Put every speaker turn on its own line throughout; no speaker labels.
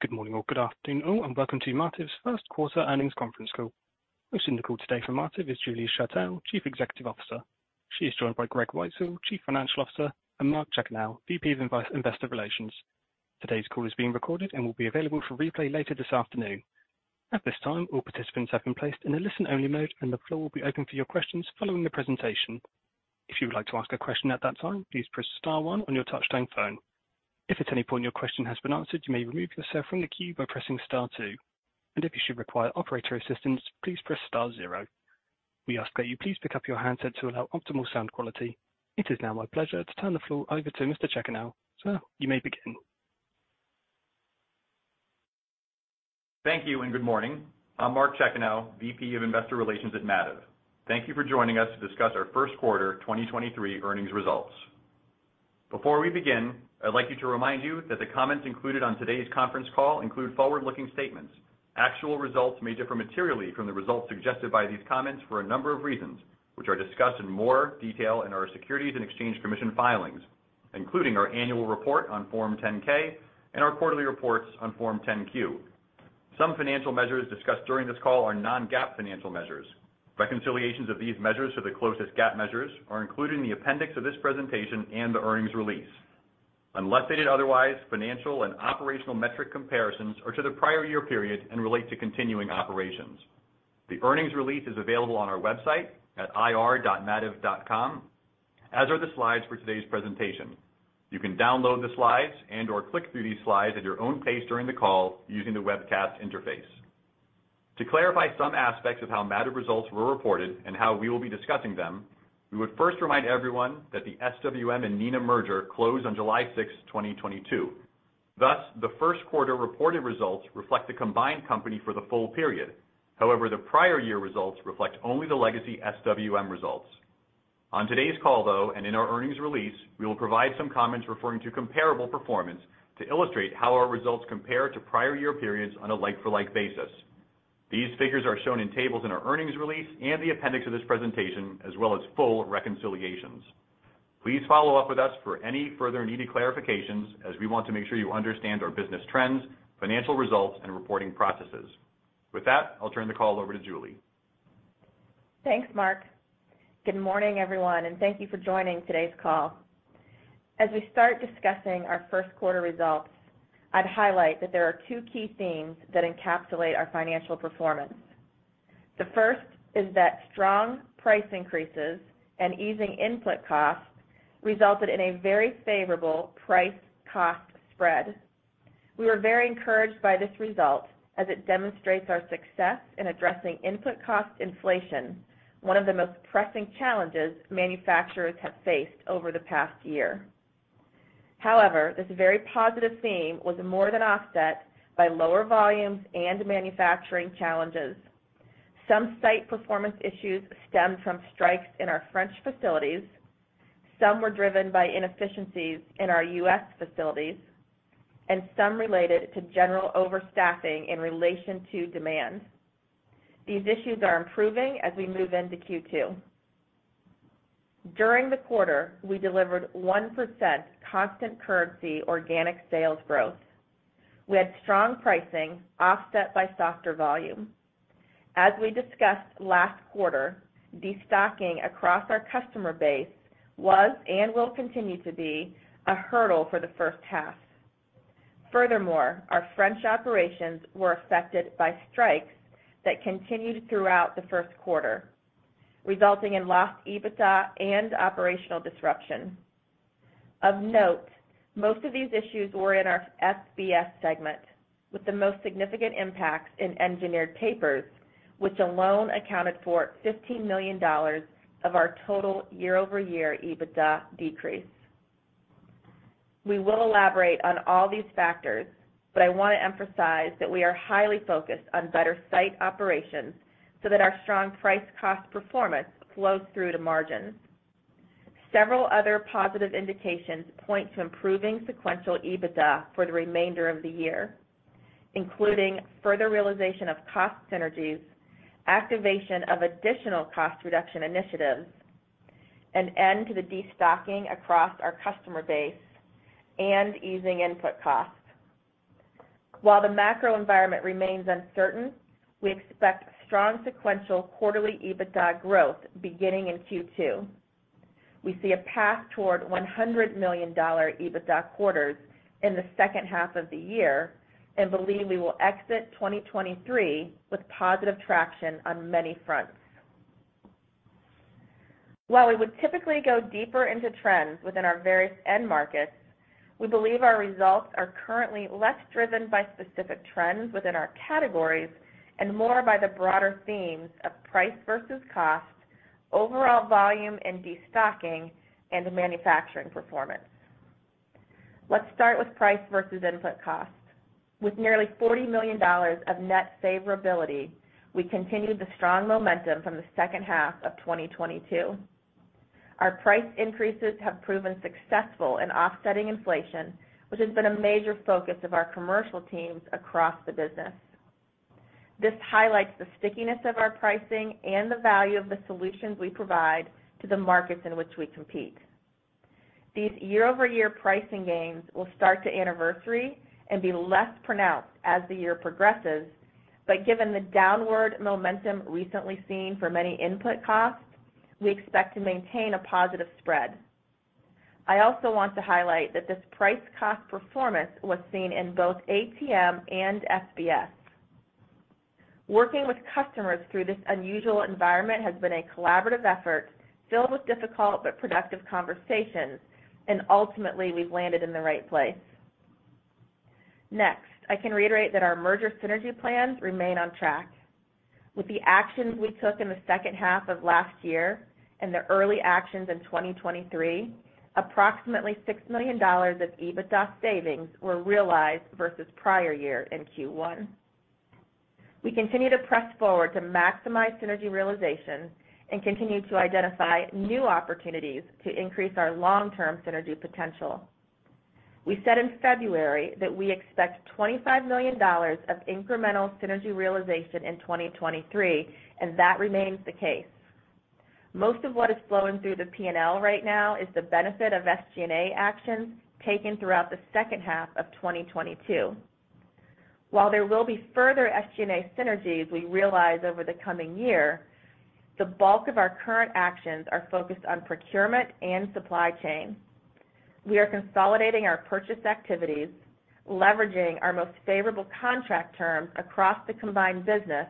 Good morning all, Good afternoon all, and welcome to Mativ's first quarter earnings conference call. Hosting the call today for Mativ is Julie Schertell, Chief Executive Officer. She is joined by Andrew Wamser, Chief Financial Officer, and Mark Chekanow, VP of Investor Relations. Today's call is being recorded and will be available for replay later this afternoon. At this time, all participants have been placed in a listen-only mode. The floor will be open for your questions following the presentation. If you would like to ask a question at that time, please press star one on your touchtone phone. If at any point your question has been answered, you may remove yourself from the queue by pressing star two. If you should require operator assistance, please press star zero. We ask that you please pick up your handset to allow optimal sound quality. It is now my pleasure to turn the floor over to Mr. Chekanow. Sir, you may begin.
Thank you. Good morning. I'm Mark Chekanow VP of Investor Relations at Mativ. Thank you for joining us to discuss our first quarter 2023 earnings results. Before we begin, I'd like you to remind you that the comments included on today's conference call include forward-looking statements. Actual results may differ materially from the results suggested by these comments for a number of reasons, which are discussed in more detail in our Securities and Exchange Commission filings, including our annual report on Form 10 K and our quarterly reports on Form 10 Q. Some financial measures discussed during this call are non GAAP financial measures. Reconciliations of these measures to the closest GAAP measures are included in the appendix of this presentation and the earnings release. Unless stated otherwise, financial and operational metric comparisons are to the prior year period and relate to continuing operations. The earnings release is available on our website at ir.mativ.com, as are the slides for today's presentation. You can download the slides and/or click through these slides at your own pace during the call using the webcast interface. To clarify some aspects of how Mativ results were reported and how we will be discussing them we would first remind everyone that the SWM and Neenah merger closed on July 6, 2022. The 1st quarter reported results reflect the combined company for the full period. However, the prior year results reflect only the legacy SWM results. On today's call, though, and in our earnings release we will provide some comments referring to comparable performance to illustrate how our results compare to prior year periods on a like-for-like basis. These figures are shown in tables in our earnings release and the appendix of this presentation, as well as full reconciliations. Please follow up with us for any further needed clarifications as we want to make sure you understand our business trends, financial results, and reporting processes. With that, I'll turn the call over to Julie.
Thanks, Mark. Good morning, everyone, and thank you for joining today's call. As we start discussing our first quarter results, I'd highlight that there are two key themes that encapsulate our financial performance. The first is that strong price increases and easing input costs resulted in a very favorable price-cost spread. We were very encouraged by this result as it demonstrates our success in addressing input cost inflation, one of the most pressing challenges manufacturers have faced over the past year. However, this very positive theme was more than offset by lower volumes and manufacturing challenges. Some site performance issues stemmed from strikes in our French facilities, some were driven by inefficiencies in our U.S. facilities, and some related to general overstaffing in relation to demand. These issues are improving as we move into Q2. During the quarter, we delivered 1% constant currency organic sales growth. We had strong pricing offset by softer volume. As we discussed last quarter, destocking across our customer base was and will continue to be a hurdle for the first half. Furthermore, our French operations were affected by strikes that continued throughout the first quarter, resulting in lost EBITDA and operational disruption. Of note, most of these issues were in our SBS segment, with the most significant impacts in Engineered Papers, which alone accounted for $15 million of our total year-over-year EBITDA decrease. We will elaborate on all these factors, but I want to emphasize that we are highly focused on better site operations so that our strong price cost performance flows through to margins. Several other positive indications point to improving sequential EBITDA for the remainder of the year, including further realization of cost synergies, activation of additional cost reduction initiatives, an end to the destocking across our customer base, and easing input costs. While the macro environment remains uncertain, we expect strong sequential quarterly EBITDA growth beginning in Q2. We see a path toward $100 million EBITDA quarters in the second half of the year and believe we will exit 2023 with positive traction on many fronts. While we would typically go deeper into trends within our various end markets, we believe our results are currently less driven by specific trends within our categories and more by the broader themes of price versus cost, overall volume and destocking, and manufacturing performance. Let's start with price versus input cost. With nearly $40 million of net favorability, we continued the strong momentum from the second half of 2022. Our price increases have proven successful in offsetting inflation, which has been a major focus of our commercial teams across the business. This highlights the stickiness of our pricing and the value of the solutions we provide to the markets in which we compete. These year-over-year pricing gains will start to anniversary and be less pronounced as the year progresses. Given the downward momentum recently seen for many input costs, we expect to maintain a positive spread. I also want to highlight that this price cost performance was seen in both ATM and SBS. Working with customers through this unusual environment has been a collaborative effort filled with difficult but productive conversations, and ultimately, we've landed in the right place. I can reiterate that our merger synergy plans remain on track. With the actions we took in the second half of last year and the early actions in 2023, approximately $6 million of EBITDA savings were realized versus prior year in Q1. We continue to press forward to maximize synergy realization and continue to identify new opportunities to increase our long-term synergy potential. We said in February that we expect $25 million of incremental synergy realization in 2023, and that remains the case. Most of what is flowing through the P&L right now is the benefit of SG&A actions taken throughout the second half of 2022. While there will be further SG&A synergies we realize over the coming year, the bulk of our current actions are focused on procurement and supply chain. We are consolidating our purchase activities, leveraging our most favorable contract terms across the combined business,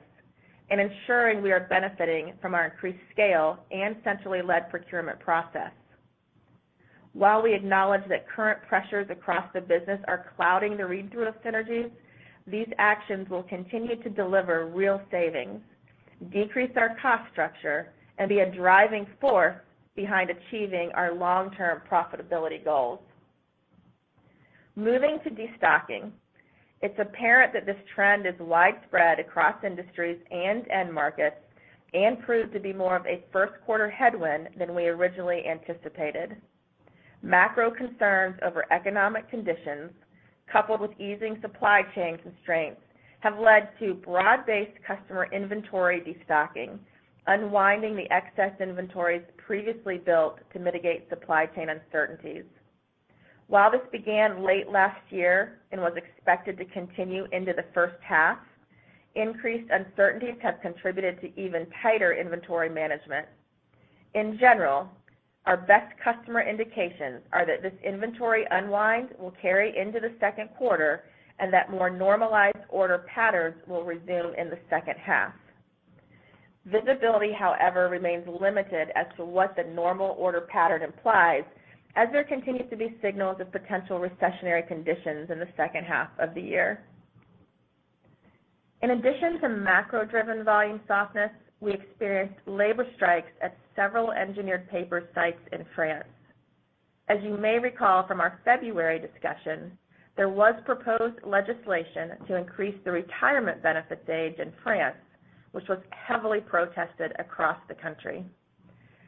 and ensuring we are benefiting from our increased scale and centrally led procurement process. While we acknowledge that current pressures across the business are clouding the read-through of synergies, these actions will continue to deliver real savings, decrease our cost structure, and be a driving force behind achieving our long-term profitability goals. Moving to destocking, it's apparent that this trend is widespread across industries and end markets and proved to be more of a first quarter headwind than we originally anticipated. Macro concerns over economic conditions, coupled with easing supply chain constraints, have led to broad-based customer inventory destocking, unwinding the excess inventories previously built to mitigate supply chain uncertainties. While this began late last year and was expected to continue into the first half, increased uncertainties have contributed to even tighter inventory management. In general, our best customer indications are that this inventory unwind will carry into the second quarter and that more normalized order patterns will resume in the second half. Visibility, however, remains limited as to what the normal order pattern implies as there continues to be signals of potential recessionary conditions in the second half of the year. In addition to macro-driven volume softness, we experienced labor strikes at several engineered paper sites in France. As you may recall from our February discussion, there was proposed legislation to increase the retirement benefits age in France, which was heavily protested across the country.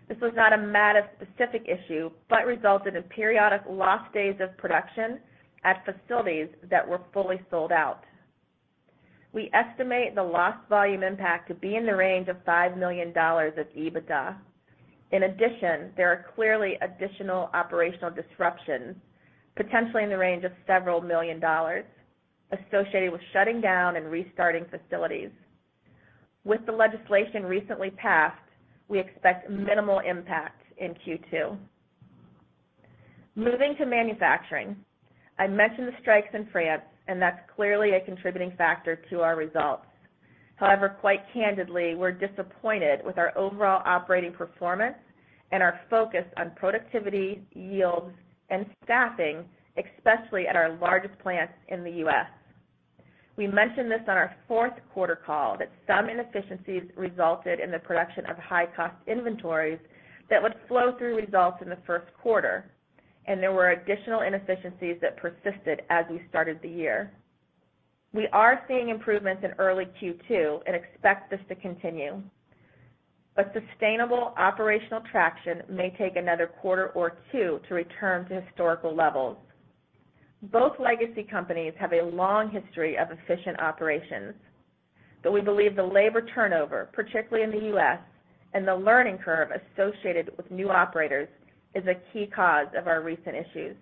This was not a Mativ-specific issue but resulted in periodic lost days of production at facilities that were fully sold out. We estimate the lost volume impact to be in the range of $5 million of EBITDA. In addition, there are clearly additional operational disruptions, potentially in the range of several million dollars, associated with shutting down and restarting facilities. With the legislation recently passed, we expect minimal impact in Q2. Moving to manufacturing, I mentioned the strikes in France, and that's clearly a contributing factor to our results. Quite candidly, we're disappointed with our overall operating performance and our focus on productivity, yields, and staffing, especially at our largest plants in the U.S. We mentioned this on our fourth quarter call that some inefficiencies resulted in the production of high-cost inventories that would flow through results in the first quarter, and there were additional inefficiencies that persisted as we started the year. We are seeing improvements in early Q2 and expect this to continue. Sustainable operational traction may take another quarter or two to return to historical levels. Both legacy companies have a long history of efficient operations, but we believe the labor turnover, particularly in the U.S., and the learning curve associated with new operators is a key cause of our recent issues.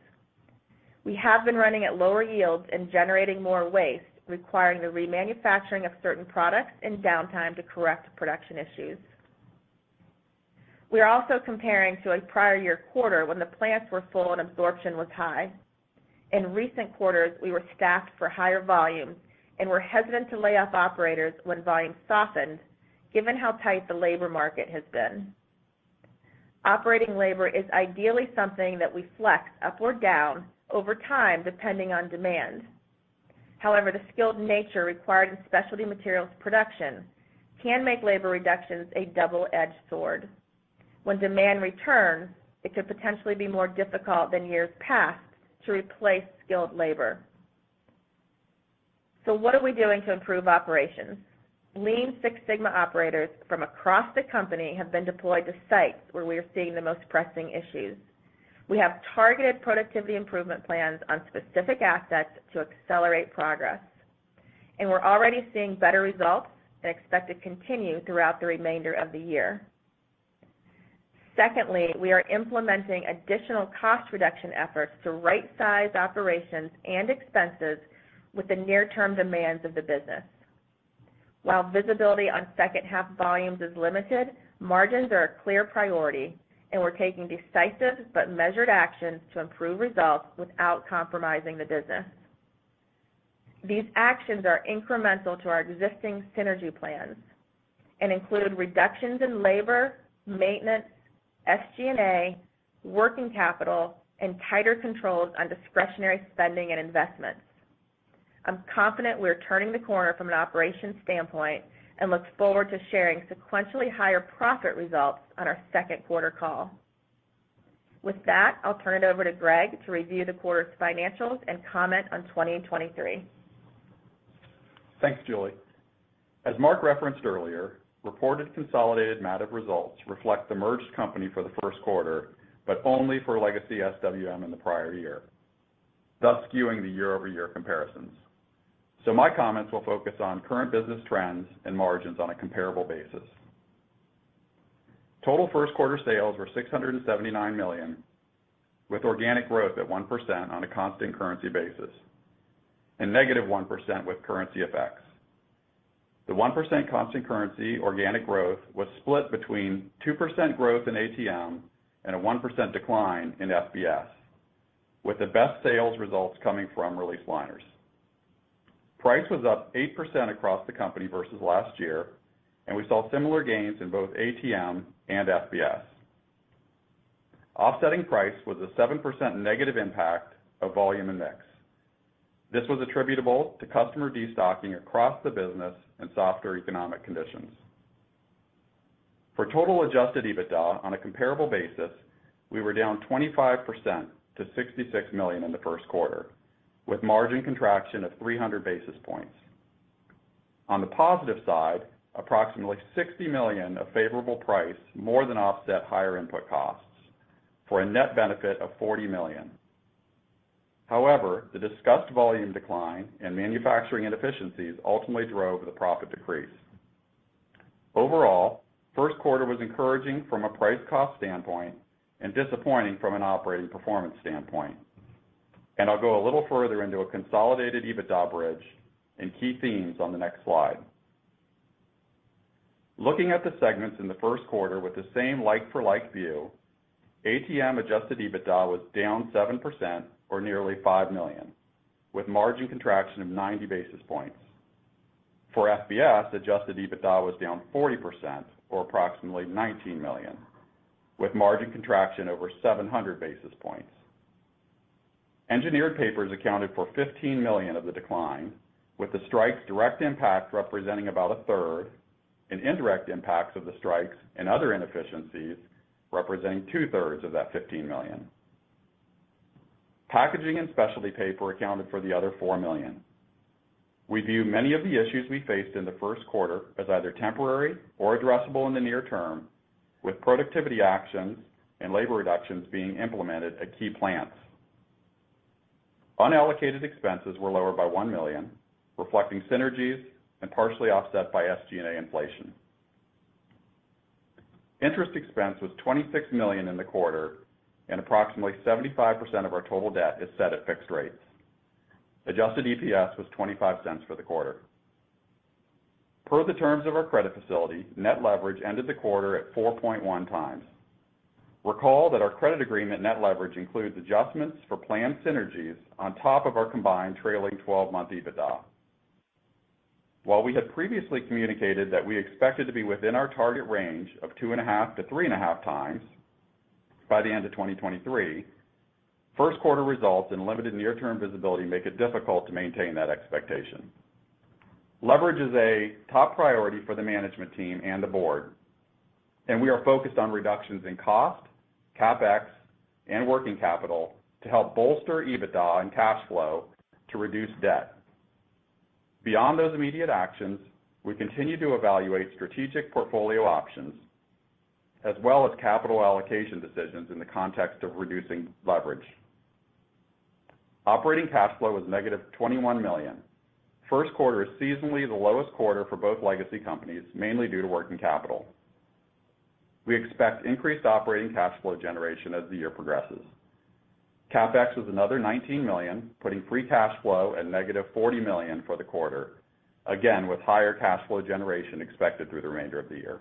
We have been running at lower yields and generating more waste, requiring the remanufacturing of certain products and downtime to correct production issues. We are also comparing to a prior year quarter when the plants were full and absorption was high. In recent quarters, we were staffed for higher volumes and were hesitant to lay off operators when volumes softened, given how tight the labor market has been. Operating labor is ideally something that we flex up or down over time depending on demand. However, the skilled nature required in specialty materials production can make labor reductions a double-edged sword. When demand returns, it could potentially be more difficult than years past to replace skilled labor. What are we doing to improve operations? Lean Six Sigma operators from across the company have been deployed to sites where we are seeing the most pressing issues. We have targeted productivity improvement plans on specific assets to accelerate progress, and we're already seeing better results and expect to continue throughout the remainder of the year. Secondly, we are implementing additional cost reduction efforts to rightsize operations and expenses with the near-term demands of the business. While visibility on second half volumes is limited, margins are a clear priority, and we're taking decisive but measured actions to improve results without compromising the business. These actions are incremental to our existing synergy plans and include reductions in labor, maintenance, SG&A, working capital, and tighter controls on discretionary spending and investments. I'm confident we are turning the corner from an operations standpoint and look forward to sharing sequentially higher profit results on our second quarter call. I'll turn it over to Andrew Wamser to review the quarter's financials and comment on 2023.
Thanks, Julie. As Mark referenced earlier, reported consolidated Mativ results reflect the merged company for the first quarter, but only for legacy SWM in the prior year, thus skewing the year-over-year comparisons. My comments will focus on current business trends and margins on a comparable basis. Total first quarter sales were $679 million, with organic growth at 1% on a constant currency basis and -1% with currency effects. The 1% constant currency organic growth was split between 2% growth in ATM and a 1% decline in FBS, with the best sales results coming from Release Liners. Price was up 8% across the company versus last year, and we saw similar gains in both ATM and FBS. Offsetting price was a 7% negative impact of volume and mix. This was attributable to customer destocking across the business and softer economic conditions. For total adjusted EBITDA on a comparable basis, we were down 25% to $66 million in the first quarter, with margin contraction of 300 basis points. On the positive side, approximately $60 million of favorable price more than offset higher input costs for a net benefit of $40 million. However, the discussed volume decline and manufacturing inefficiencies ultimately drove the profit decrease. Overall, first quarter was encouraging from a price cost standpoint and disappointing from an operating performance standpoint. I'll go a little further into a consolidated EBITDA bridge and key themes on the next slide. Looking at the segments in the first quarter with the same like-for-like view, ATM adjusted EBITDA was down 7% or nearly $5 million, with margin contraction of 90 basis points. For FBS, adjusted EBITDA was down 40% or approximately $19 million, with margin contraction over 700 basis points. Engineered Papers accounted for $15 million of the decline, with the strike's direct impact representing about a third and indirect impacts of the strikes and other inefficiencies representing two-thirds of that $15 million. Packaging and Specialty Paper accounted for the other $4 million. We view many of the issues we faced in the first quarter as either temporary or addressable in the near term, with productivity actions and labor reductions being implemented at key plants. Unallocated expenses were lower by $1 million, reflecting synergies and partially offset by SG&A inflation. Interest expense was $26 million in the quarter, and approximately 75% of our total debt is set at fixed rates. Adjusted EPS was $0.25 for the quarter. Per the terms of our credit facility, net leverage ended the quarter at 4.1 times. Recall that our credit agreement net leverage includes adjustments for planned synergies on top of our combined trailing 12-month EBITDA. While we had previously communicated that we expected to be within our target range of 2.5 to 3.5 times by the end of 2023, first quarter results and limited near-term visibility make it difficult to maintain that expectation. Leverage is a top priority for the management team and the board, and we are focused on reductions in cost, CapEx, and working capital to help bolster EBITDA and cash flow to reduce debt. Beyond those immediate actions, we continue to evaluate strategic portfolio options as well as capital allocation decisions in the context of reducing leverage. Operating cash flow was negative $21 million. First quarter is seasonally the lowest quarter for both legacy companies, mainly due to working capital. We expect increased operating cash flow generation as the year progresses. CapEx was another $19 million, putting free cash flow at negative $40 million for the quarter. Again, with higher cash flow generation expected through the remainder of the year.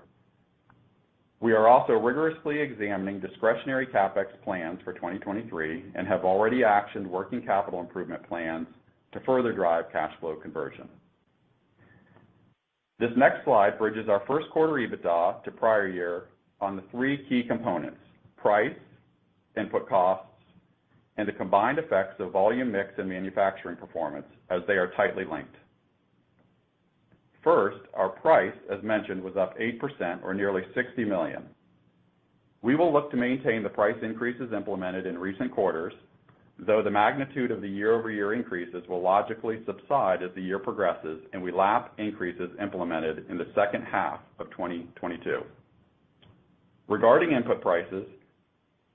We are also rigorously examining discretionary CapEx plans for 2023 and have already actioned working capital improvement plans to further drive cash flow conversion. This next slide bridges our first quarter EBITDA to prior year on the three key components: price, input costs, and the combined effects of volume mix and manufacturing performance as they are tightly linked. First, our price, as mentioned, was up 8% or nearly $60 million. We will look to maintain the price increases implemented in recent quarters. The magnitude of the year-over-year increases will logically subside as the year progresses and we lap increases implemented in the second half of 2022. Regarding input prices,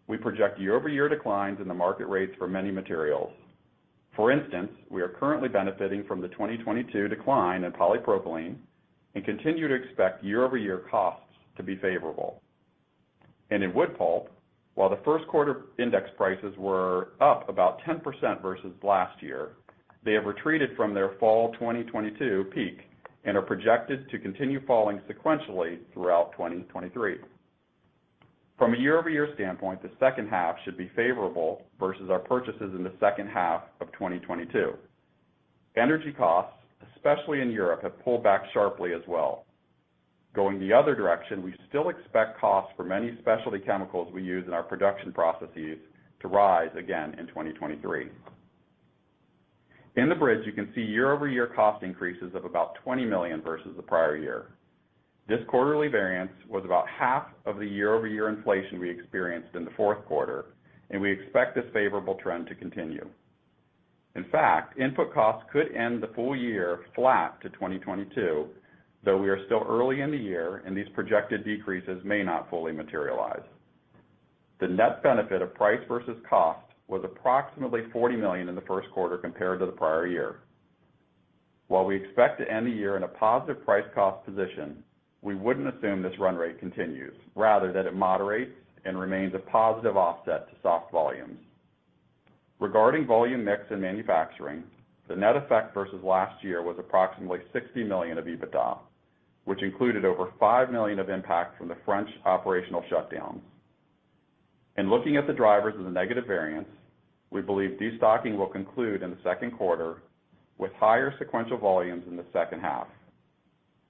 we project year-over-year declines in the market rates for many materials. For instance, we are currently benefiting from the 2022 decline in polypropylene and continue to expect year-over-year costs to be favorable. In wood pulp, while the first quarter index prices were up about 10% versus last year, they have retreated from their fall 2022 peak and are projected to continue falling sequentially throughout 2023. From a year-over-year standpoint, the second half should be favorable versus our purchases in the second half of 2022. Energy costs, especially in Europe, have pulled back sharply as well. Going the other direction, we still expect costs for many specialty chemicals we use in our production processes to rise again in 2023. In the bridge, you can see year-over-year cost increases of about $20 million versus the prior year. This quarterly variance was about half of the year-over-year inflation we experienced in the fourth quarter, and we expect this favorable trend to continue. In fact, input costs could end the full year flat to 2022, though we are still early in the year and these projected decreases may not fully materialize. The net benefit of price versus cost was approximately $40 million in the first quarter compared to the prior year. While we expect to end the year in a positive price cost position, we wouldn't assume this run rate continues, rather that it moderates and remains a positive offset to soft volumes. Regarding volume mix and manufacturing, the net effect versus last year was approximately $60 million of EBITDA, which included over $5 million of impact from the French operational shutdowns. In looking at the drivers of the negative variance, we believe destocking will conclude in the second quarter, with higher sequential volumes in the second half.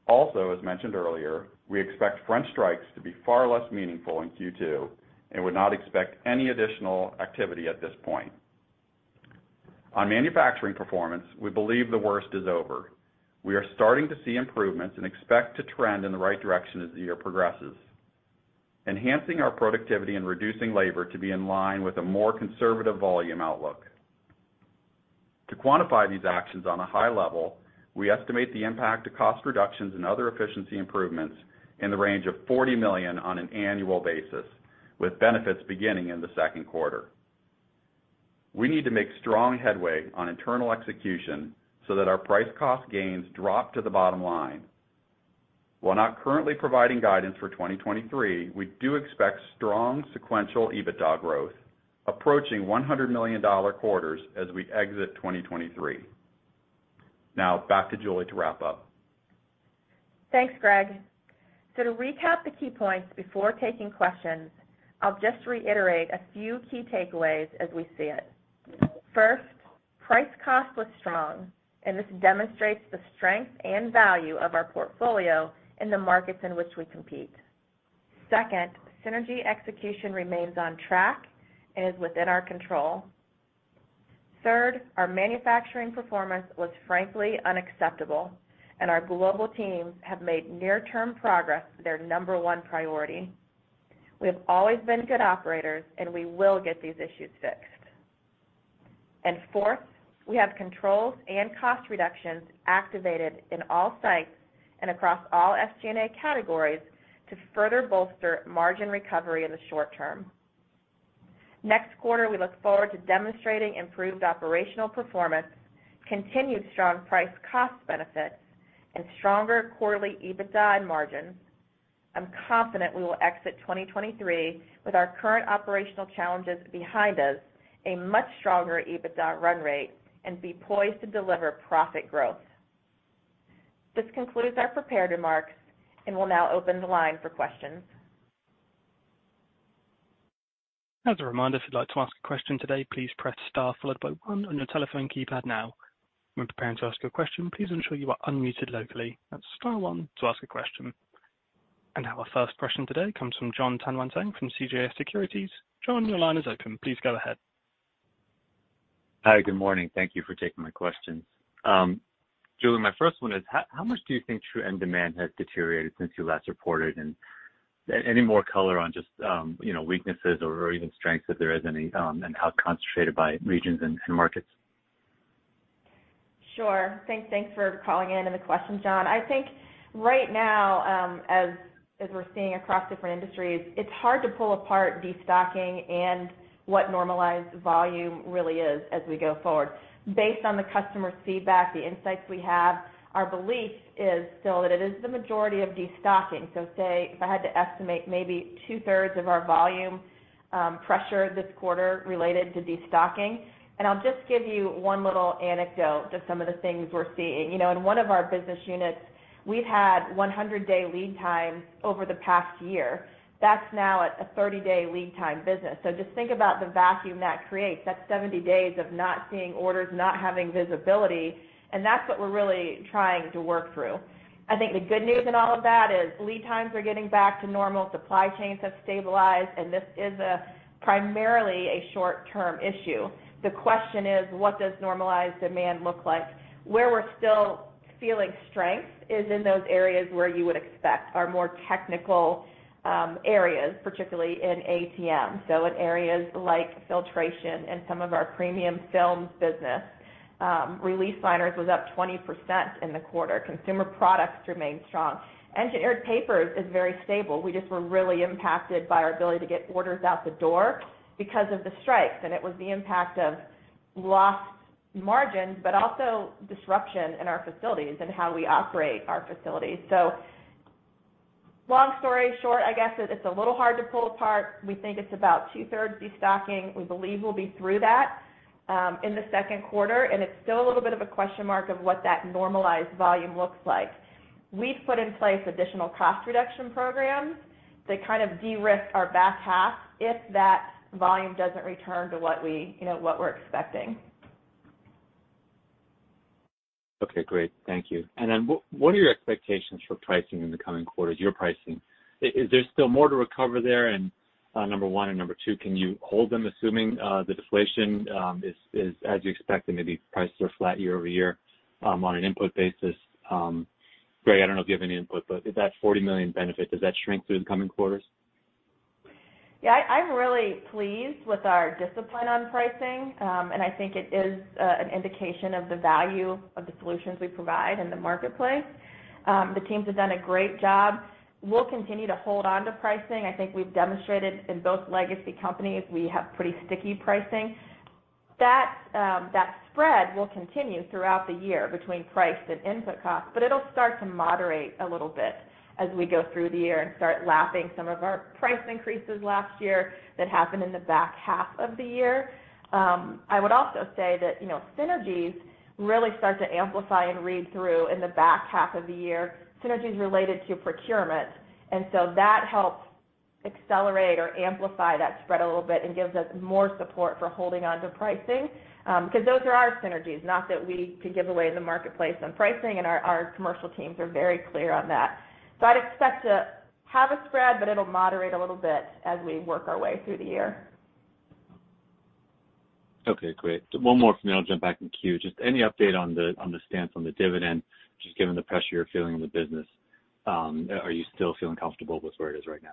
Also, as mentioned earlier, we expect French strikes to be far less meaningful in Q2 and would not expect any additional activity at this point. On manufacturing performance, we believe the worst is over. We are starting to see improvements and expect to trend in the right direction as the year progresses, enhancing our productivity and reducing labor to be in line with a more conservative volume outlook. To quantify these actions on a high level, we estimate the impact of cost reductions and other efficiency improvements in the range of $40 million on an annual basis, with benefits beginning in the second quarter. We need to make strong headway on internal execution so that our price cost gains drop to the bottom line. While not currently providing guidance for 2023, we do expect strong sequential EBITDA growth approaching $100 million quarters as we exit 2023. Back to Julie Schertell to wrap up.
Thanks, Andrew. To recap the key points before taking questions, I'll just reiterate a few key takeaways as we see it. First, price cost was strong, and this demonstrates the strength and value of our portfolio in the markets in which we compete. Second, synergy execution remains on track and is within our control. Third, our manufacturing performance was frankly unacceptable, and our global teams have made near-term progress their number one priority. We have always been good operators, and we will get these issues fixed. Fourth, we have controls and cost reductions activated in all sites and across all SG&A categories to further bolster margin recovery in the short term. Next quarter, we look forward to demonstrating improved operational performance, continued strong price cost benefits, and stronger quarterly EBITDA margins. I'm confident we will exit 2023 with our current operational challenges behind us a much stronger EBITDA run rate and be poised to deliver profit growth. This concludes our prepared remarks, and we'll now open the line for questions.
As a reminder, if you'd like to ask a question today, please press star followed by one on your telephone keypad now. When preparing to ask your question, please ensure you are unmuted locally. That's star one to ask a question. Our first question today comes from Jon Tanwanteng from CJS Securities. Jon, your line is open. Please go ahead.
Hi. Good morning. Thank you for taking my questions. Julie, my first one is how much do you think true end demand has deteriorated since you last reported? Any more color on just, you know, weaknesses or even strengths if there is any, and how concentrated by regions and markets?
Sure. Thanks, thanks for calling in and the question, Jon. I think right now, as we're seeing across different industries, it's hard to pull apart destocking and what normalized volume really is as we go forward. Based on the customer feedback, the insights we have, our belief is still that it is the majority of destocking. Say if I had to estimate maybe two-thirds of our volume pressure this quarter related to destocking. I'll just give you one little anecdote of some of the things we're seeing. You know, in one of our business units, we've had 100-day lead times over the past year. That's now at a 30-day lead time business. Just think about the vacuum that creates. That's 70 days of not seeing orders, not having visibility, and that's what we're really trying to work through. I think the good news in all of that is lead times are getting back to normal. Supply chains have stabilized. This is a primarily a short-term issue. The question is, what does normalized demand look like? Where we're still feeling strength is in those areas where you would expect our more technical areas, particularly in ATM. In areas like filtration and some of our premium films business. Release Liners was up 20% in the quarter. Consumer products remained strong. Engineered Papers is very stable. We just were really impacted by our ability to get orders out the door because of the strikes. It was the impact of lost margins but also disruption in our facilities and how we operate our facilities. Long story short, I guess it's a little hard to pull apart. We think it's about two-thirds destocking. We believe we'll be through that, in the second quarter, and it's still a little bit of a question mark of what that normalized volume looks like. We've put in place additional cost reduction programs to kind of de-risk our back half if that volume doesn't return to what we, you know, what we're expecting.
Okay, great. Thank you. What are your expectations for pricing in the coming quarters, your pricing? Is there still more to recover there in number one and number two, can you hold them assuming the deflation is as you expect and maybe prices are flat year-over-year on an input basis? Greg, I don't know if you have any input, but is that $40 million benefit, does that shrink through the coming quarters?
I'm really pleased with our discipline on pricing, and I think it is an indication of the value of the solutions we provide in the marketplace. The teams have done a great job. We'll continue to hold onto pricing. I think we've demonstrated in both legacy companies, we have pretty sticky pricing. That spread will continue throughout the year between price and input costs, but it'll start to moderate a little bit as we go through the year and start lapping some of our price increases last year that happened in the back half of the year. I would also say that, you know, synergies really start to amplify and read through in the back half of the year, synergies related to procurement. That helps accelerate or amplify that spread a little bit and gives us more support for holding onto pricing. Because those are our synergies, not that we could give away the marketplace on pricing, and our commercial teams are very clear on that. I'd expect to have a spread, but it'll moderate a little bit as we work our way through the year.
Okay, great. One more from me, I'll jump back in the queue. Any update on the, on the stance on the dividend, just given the pressure you're feeling in the business, are you still feeling comfortable with where it is right now?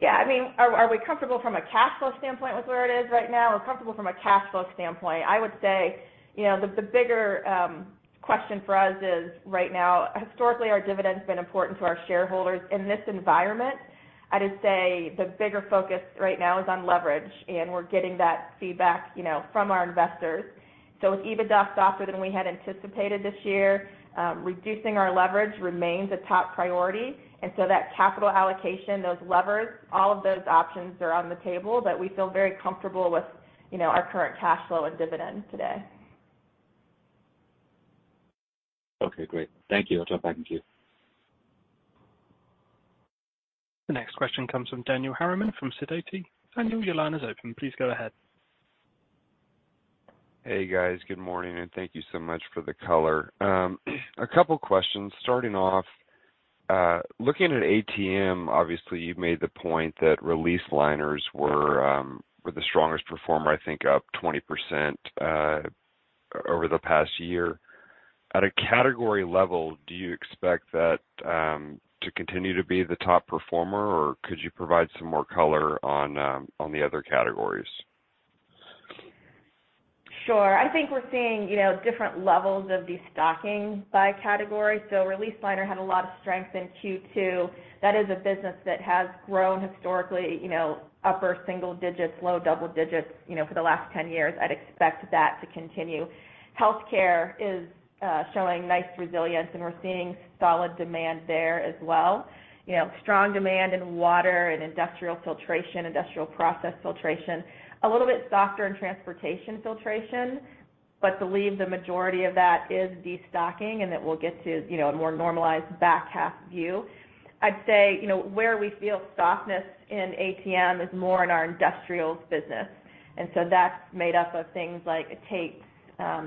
Yeah. I mean, are we comfortable from a cash flow standpoint with where it is right now? We're comfortable from a cash flow standpoint. I would say, you know, the bigger question for us is right now, historically, our dividend's been important to our shareholders. In this environment, I'd just say the bigger focus right now is on leverage, and we're getting that feedback, you know, from our investors. With EBITDA softer than we had anticipated this year, reducing our leverage remains a top priority. That capital allocation those levers, all of those options are on the table, but we feel very comfortable with, you know, our current cash flow and dividend today.
Okay, great. Thank you. I'll jump back in the queue.
The next question comes from Daniel Harriman from Sidoti. Daniel, your line is open. Please go ahead.
Hey guys, Good morning, and thank you so much for the color. A couple questions. Starting off, looking at ATM, obviously, you've made the point that Release Liners were the strongest performer, I think up 20% over the past year. At a category level, do you expect that to continue to be the top performer, or could you provide some more color on the other categories?
Sure. I think we're seeing you know different levels of destocking by category. Release Liners had a lot of strength in Q2. That is a business that has grown historically, you know, upper single digits, low double digits you know for the last 10 years. I'd expect that to continue. Healthcare is showing nice resilience, and we're seeing solid demand there as well. You know, strong demand in water and industrial filtration, industrial process filtration. A little bit softer in transportation filtration, but believe the majority of that is destocking, and it will get to you know, a more normalized back half view. I'd say you know where we feel softness in ATM is more in our industrials business. That's made up of things like tapes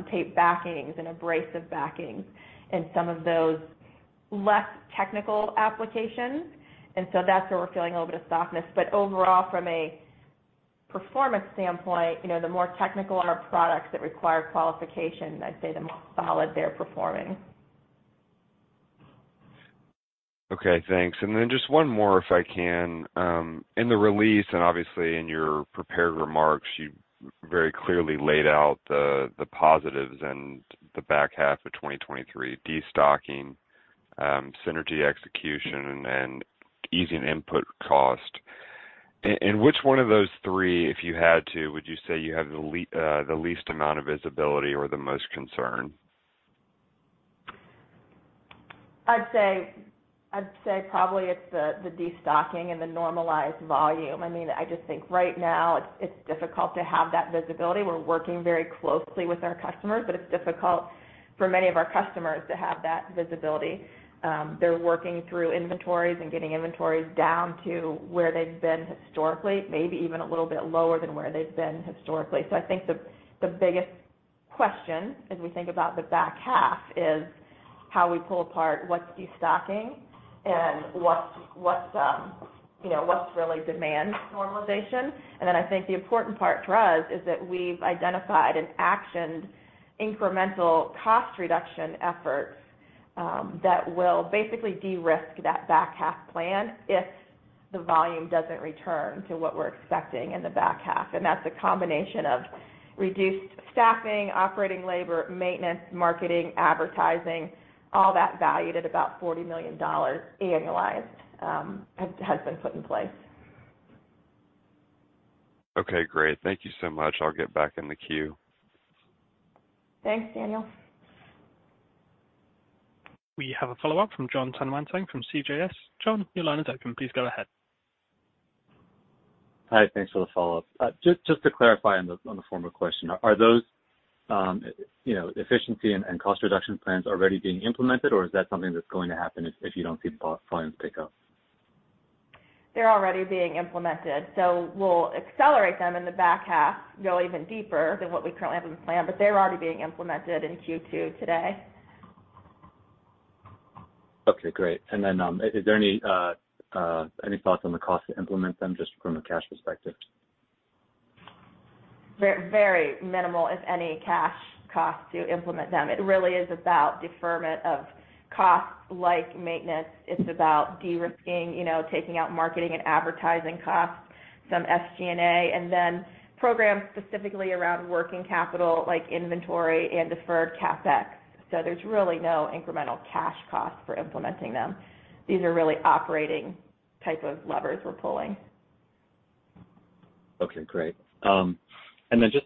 tape backings and abrasive backings and some of those less technical applications. That's where we're feeling a little bit of softness. Overall, from a performance standpoint, you know, the more technical our products that require qualification, I'd say the more solid they're performing.
Okay thanks. Just one more if I can. In the release obviously in your prepared remarks you very clearly laid out the positives in the back half of 2023: destocking, synergy execution, and easing input cost. In which one of those three, if you had to, would you say you have the least amount of visibility or the most concern?
I'd say probably it's the destocking and the normalized volume. I mean I just think right now it's difficult to have that visibility. We're working very closely with our customers, but it's difficult for many of our customers to have that visibility. They're working through inventories and getting inventories down to where they've been historically, maybe even a little bit lower than where they've been historically. I think the biggest question as we think about the back half is How we pull apart what's destocking and what's, you know, what's really demand normalization. I think the important part for us is that we've identified and actioned incremental cost reduction efforts that will basically de risk that back half plan if the volume doesn't return to what we're expecting in the back half. That's a combination of reduced staffing operating labor, maintenance, marketing, advertising, all that valued at about $40 million annualized, has been put in place.
Okay, great. Thank you so much. I'll get back in the queue.
Thanks, Daniel.
We have a follow-up from Jon Tanwanteng from CJS. Jon, your line is open. Please go ahead.
Hi, thanks for the follow up. Just to clarify on the former question, are those, you know, efficiency and cost reduction plans already being implemented, or is that something that's going to happen if you don't see volumes pick up?
They're already being implemented. We'll accelerate them in the back half go even deeper than what we currently have them planned. They're already being implemented in Q2 today.
Okay, great. Is there any thoughts on the cost to implement them just from a cash perspective?
Very minimal if any cash cost to implement them. It really is about deferment of costs like maintenance. It's about de risking, you know taking out marketing and advertising costs, some SG&A and then programs specifically around working capital like inventory and deferred CapEx. There's really no incremental cash cost for implementing them. These are really operating type of levers we're pulling.
Okay great. Just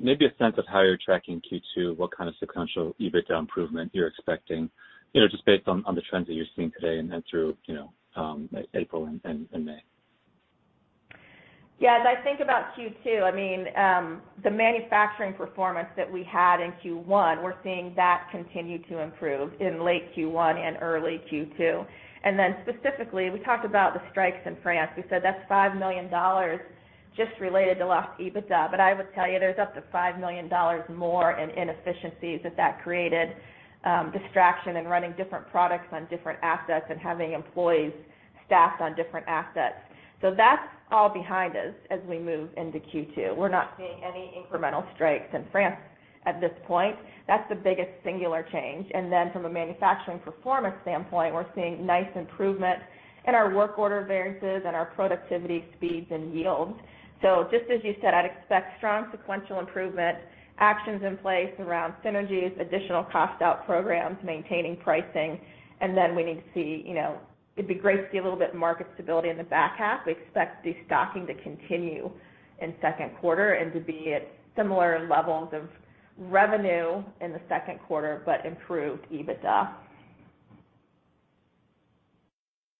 maybe a sense of how you're tracking Q2, what kind of sequential EBITDA improvement you're expecting, you know, just based on the trends that you're seeing today and then through you know, April and May?
As I think about Q2 the manufacturing performance that we had in Q1 we're seeing that continue to improve in late Q1 and early Q2. Specifically, we talked about the strikes in France. We said that's $5 million just related to lost EBITDA, I would tell you, there's up to $5 million more in inefficiencies that that created, distraction and running different products on different assets and having employees staffed on different assets. That's all behind us as we move into Q2. We're not seeing any incremental strikes in France at this point. That's the biggest singular change. From a manufacturing performance standpoint, we're seeing nice improvement in our work order variances and our productivity speeds and yields. Just as you said I'd expect strong sequential improvement actions in place around synergies, additional cost out programs, maintaining pricing, and then we need to see, you know, it'd be great to see a little bit of market stability in the back half. We expect destocking to continue in second quarter and to be at similar levels of revenue in the second quarter, but improved EBITDA.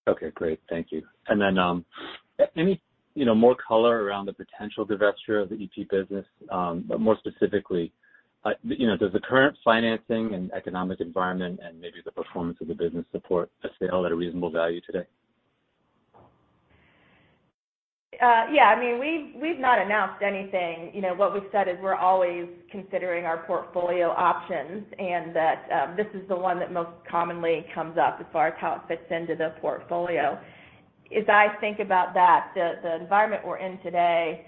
Okay, great. Thank you. Any, you know, more color around the potential divestiture of the EP business, but more specifically, you know, does the current financing and economic environment and maybe the performance of the business support a sale at a reasonable value today?
Yeah I mean, we've not announced anything, You know, what we've said is we're always considering our portfolio options and that this is the one that most commonly comes up as far as how it fits into the portfolio. As I think about that the environment we're in today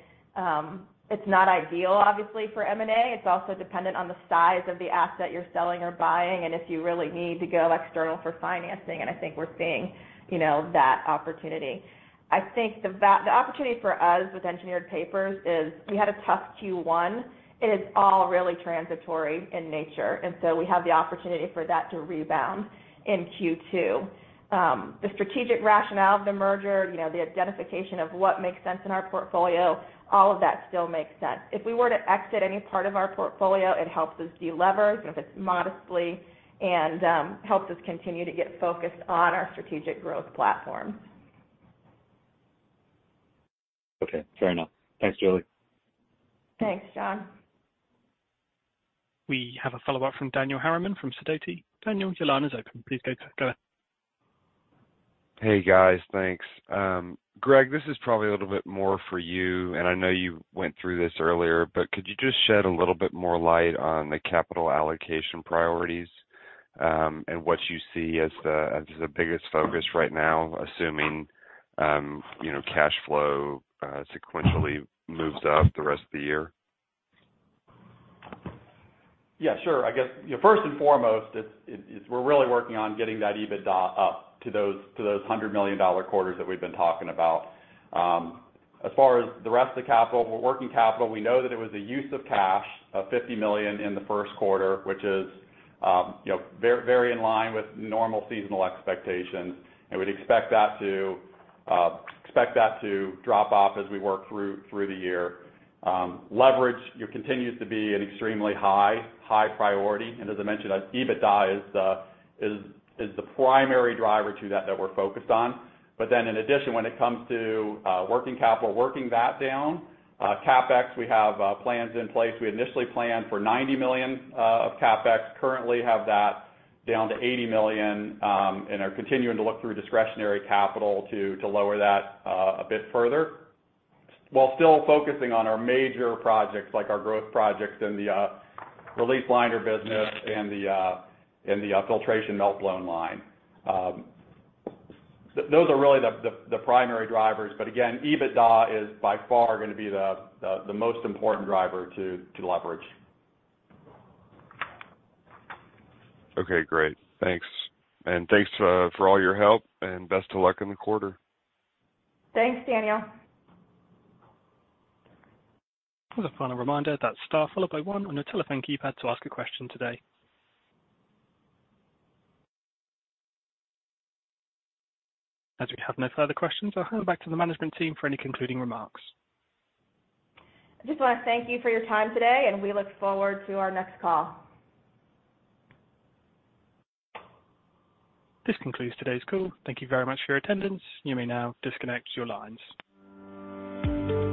it's not ideal obviously for M&A. It's also dependent on the size of the asset you're selling or buying, and if you really need to go external for financing, and I think we're seeing, you know, that opportunity. I think the opportunity for us with Engineered Papers is we had a tough Q1. It is all really transitory in nature, and so we have the opportunity for that to rebound in Q2. The strategic rationale of the merger, you know, the identification of what makes sense in our portfolio, all of that still makes sense. If we were to exit any part of our portfolio, it helps us delever, even if it's modestly, and helps us continue to get focused on our strategic growth platform.
Okay, fair enough. Thanks, Julie.
Thanks, John.
We have a follow-up from Daniel Harriman from Sidoti. Daniel, your line is open. Please go ahead.
Hey, guys. Thanks. Greg, this is probably a little bit more for you, and I know you went through this earlier, but could you just shed a little bit more light on the capital allocation priorities, and what you see as the, as the biggest focus right now, assuming, you know, cash flow sequentially moves up the rest of the year?
Yeah sure. I guess, you know, first and foremost, it's, we're really working on getting that EBITDA up to those, to those $100 million quarters that we've been talking about. As far as the rest of the capital, working capital, we know that it was a use of cash of $50 million in the first quarter which is you know very in line with normal seasonal expectations, and we'd expect that to expect that to drop off as we work through the year. Leverage continues to be an extremely high priority and as I mentioned that EBITDA is the primary driver to that we're focused on. In addition, when it comes to working capital, working that down, CapEx, we have plans in place. We initially planned for $90 million of CapEx. Currently have that down to $80 million, and are continuing to look through discretionary capital to lower that a bit further while still focusing on our major projects like our growth projects in the Release Liners business and the filtration meltblown line. Those are really the primary drivers but again EBITDA is by far gonna be the most important driver to leverage.
Okay great. Thanks. Thanks for all your help and best of luck in the quarter.
Thanks, Daniel.
Just a final reminder that's star followed by one on your telephone keypad to ask a question today. As we have no further questions, I'll hand it back to the management team for any concluding remarks.
I just wanna thank you for your time today, and we look forward to our next call.
This concludes today's call, Thank you very much for your attendance. You may now disconnect your lines.